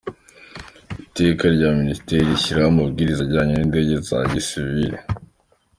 Iteka rya Minisitiri rishyiraho Amabwiriza ajyanye n’Iby’Indege za Gisiviri;